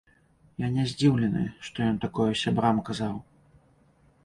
Я не здзіўлены, што ён такое сябрам казаў.